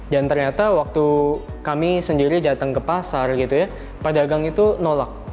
dan ternyata waktu kami sendiri datang ke pasar gitu ya pedagang itu nolak